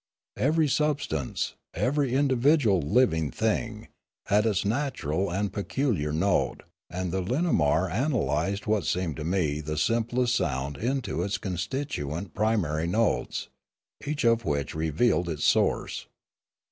Every substance, every indi vidual living thing, had its natural and peculiar note; My Education Continued 255 and the linamar analysed what seemed to me the sim plest sound into its constituent primary notes, each of which revealed its source.